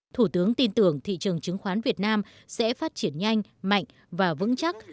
thủ tướng tin tưởng thị trường chứng khoán việt nam sẽ phát triển nhanh mạnh và vững chắc